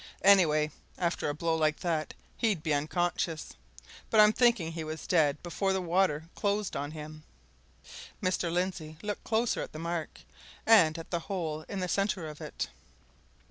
Anyway, after a blow like that, he'd be unconscious. But I'm thinking he was dead before the water closed on him." Mr. Lindsey looked closer at the mark, and at the hole in the centre of it.